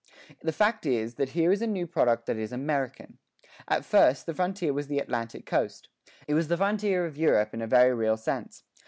The fact is, that here is a new product that is American. At first, the frontier was the Atlantic coast. It was the frontier of Europe in a very real sense.